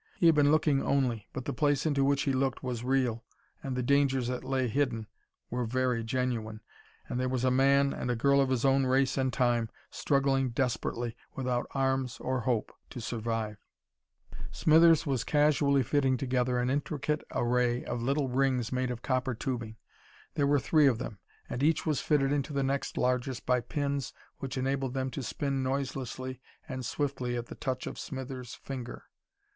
He had been looking only, but the place into which he looked was real, and the dangers that lay hidden there were very genuine, and there was a man and a girl of his own race and time struggling desperately, without arms or hope, to survive. Smithers was casually fitting together an intricate array of little rings made of copper tubing. There were three of them, and each was fitted into the next largest by pins which enabled them to spin noiselessly and swiftly at the touch of Smithers' finger.